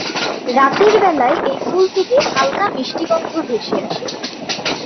রাতের বেলায় এ ফুল থেকে হালকা মিষ্টি গন্ধ ভেসে আসে।